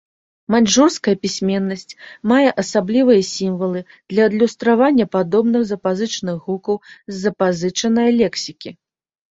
Маньчжурская пісьменнасць мае асаблівыя сімвалы для адлюстравання падобных запазычаных гукаў з запазычанае лексікі.